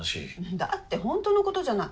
だって本当のことじゃない。